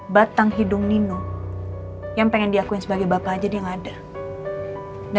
batang hidung nino yang pengen diakui sebagai bapak aja yang ada dan relent ya